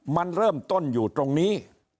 มันเริ่มต้นอยู่ตรงนี้